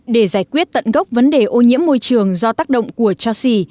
để giải quyết tận gốc vấn đề ô nhiễm môi trường do tác động của cho xỉ